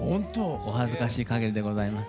お恥ずかしいかぎりでございます。